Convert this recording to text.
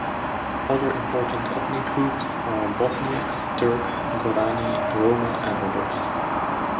Other important ethnic groups are Bosniaks, Turks, Gorani, Roma and others.